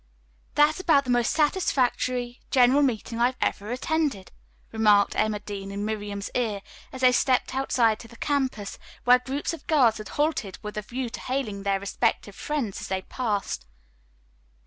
"That's about the most satisfactory general meeting I ever attended," remarked Emma Dean in Miriam's ear as they stepped outside to the campus, where groups of girls had halted with a view to hailing their respective friends as they passed.